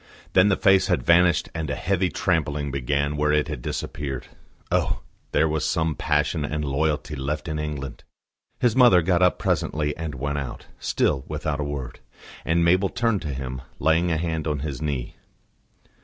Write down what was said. Then the face had vanished and a heavy trampling began where it had disappeared. Oh! there was some passion and loyalty left in England! His mother got up presently and went out, still without a word; and Mabel turned to him, laying a hand on his knee.